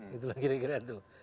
gitu lah kira kira itu